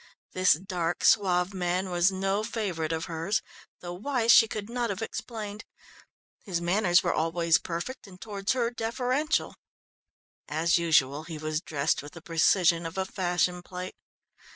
This dark, suave man was no favourite of hers, though why she could not have explained. His manners were always perfect and, towards her, deferential. As usual, he was dressed with the precision of a fashion plate.